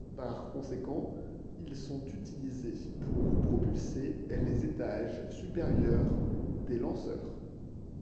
Par conséquent, ils sont utilisés pour propulser les étages supérieurs des lanceurs.